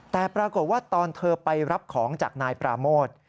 แต่ปรากฏว่าตอนเธอไปรับของจากนายปราโมท